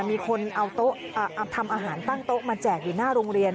มีคนเอาโต๊ะทำอาหารตั้งโต๊ะมาแจกอยู่หน้าโรงเรียน